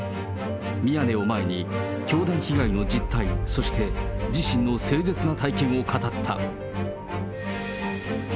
宮根を前に、教団被害の実態、そして、自身の凄絶な体験を語った。